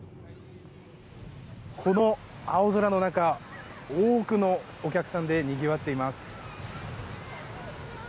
この青空の中多くのお客さんでにぎわっています。